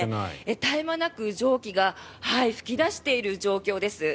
絶え間なく蒸気が噴き出している状況です。